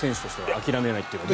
諦めないというのは。